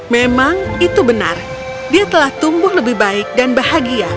memang itu benar dia telah tumbuh lebih baik dan bahagia